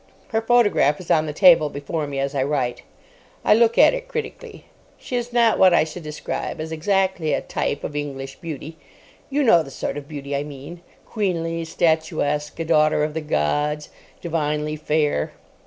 Her photograph is on the table before me as I write. I look at it critically. She is not what I should describe as exactly a type of English beauty. You know the sort of beauty I mean? Queenly, statuesque, a daughter of the gods, divinely fair.